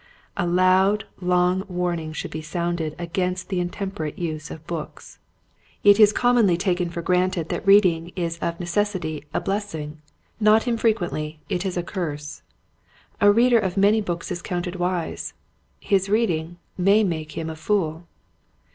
A loud, long warning should be sounded against the intemperate use of books. It Books and Reading. 185 is commonly taken for granted that read ing is of necessity a blessing ; not infre quently it is a curse. A reader of many books is counted wise : his reading may make him a fool.